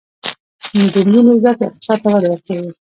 د نجونو زده کړه اقتصاد ته وده ورکوي.